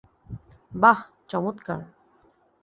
বাহ, চমৎকার।